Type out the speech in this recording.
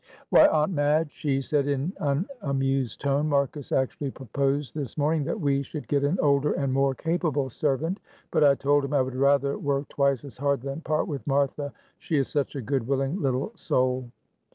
"Why, Aunt Madge," she said in an amused tone, "Marcus actually proposed this morning that we should get an older and more capable servant, but I told him I would rather work twice as hard than part with Martha; she is such a good, willing little soul."